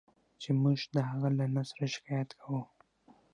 چې موږ د هغه له نثره شکایت کوو.